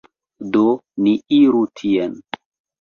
Do, ni iru tien